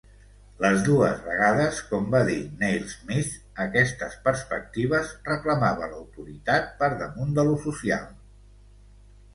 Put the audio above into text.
Les dues vegades, com va dir Neil Smith, aquestes perspectives "reclamava l"autoritat per damunt de lo social".